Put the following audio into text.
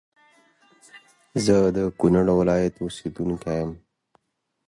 The scalp plays an important role in the aesthetics of the face.